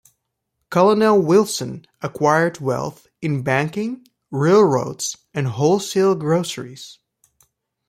Colonel Wilson acquired wealth in banking, railroads, and wholesale groceries.